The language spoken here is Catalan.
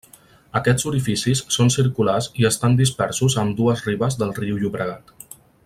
Aquests orificis són circulars i estan dispersos a ambdues ribes del riu Llobregat.